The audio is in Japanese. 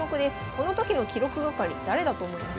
この時の記録係誰だと思いますか？